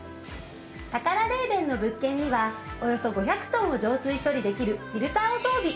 タカラレーベンの物件にはおよそ５００トンを浄水処理できるフィルターを装備。